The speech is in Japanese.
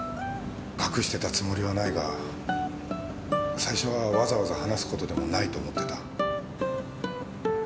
隠してたつもりはないが最初はわざわざ話すことでもないと思ってた。